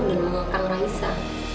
dan menganggarkan raisa